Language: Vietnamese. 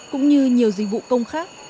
cũng như nhiều dịch vụ công khác